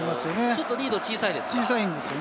ちょっとリード小さいですか？